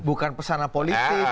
bukan pesana politik